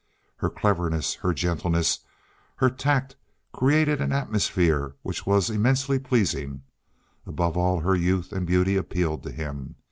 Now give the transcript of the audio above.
Her cleverness, her gentleness, her tact created an atmosphere which was immensely pleasing; above all her youth and beauty appealed to him.